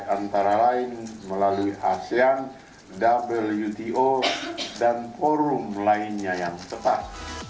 antara lain melalui asean wto dan forum lainnya yang tepat